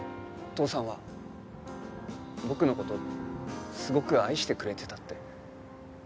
父さんは僕の事すごく愛してくれてたって。